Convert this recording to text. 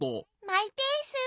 マイペース。